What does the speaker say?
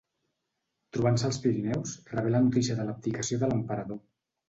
Trobant-se als Pirineus, rebé la notícia de l'abdicació de l'emperador.